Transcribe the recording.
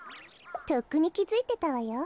とっくにきづいてたわよ。